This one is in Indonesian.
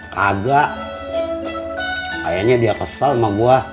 kagak kayaknya dia kesal sama gue